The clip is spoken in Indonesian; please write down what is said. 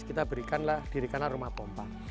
kita berikanlah dirikanlah rumah pompa